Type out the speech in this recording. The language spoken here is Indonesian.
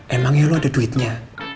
emangnya lu ada duitnya